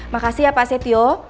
makasih ya pak setio